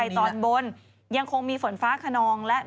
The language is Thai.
พี่ชอบแซงไหลทางอะเนาะ